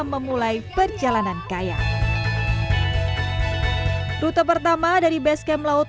memulai perjalanan kayak rute pertama dari base cam laut